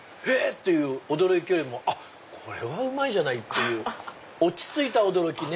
⁉っていう驚きよりもこれはうまい！っていう落ち着いた驚きね。